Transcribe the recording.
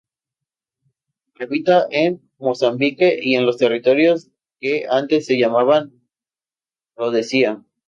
Habita en Mozambique y en los territorios que antes se llamaban Rodesia.